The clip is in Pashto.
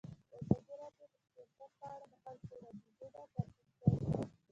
ازادي راډیو د سیاست په اړه د خلکو وړاندیزونه ترتیب کړي.